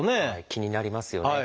気になりますよね。